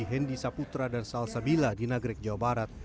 hendi saputra dan salsabila di nagrek jawa barat